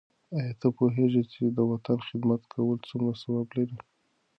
آیا ته پوهېږې چې د وطن خدمت کول څومره ثواب لري؟